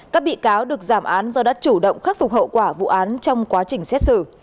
các bị cáo được giảm án do đã chủ động khắc phục hậu quả vụ án trong quá trình xét xử